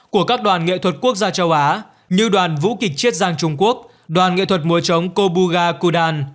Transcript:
của quốc gia châu á như đoàn vũ kịch chiết giang trung quốc đoàn nghệ thuật mùa chống kobuga kudan